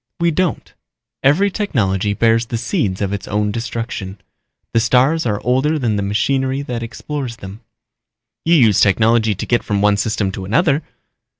We don't. Every technology bears the seeds of its own destruction. The stars are older than the machinery that explores them." "You used technology to get from one system to another."